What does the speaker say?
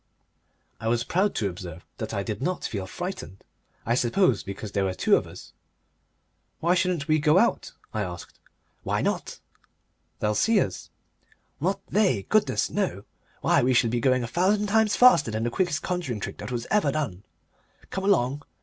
I was proud to observe that I did not feel frightened I suppose because there were two of us. "Why shouldn't we go out?" I asked. "Why not?" "They'll see us." "Not they. Goodness, no! Why, we shall be going a thousand times faster than the quickest conjuring trick that was ever done. Come along!